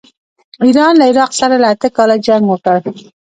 ایران له عراق سره اته کاله جنګ وکړ.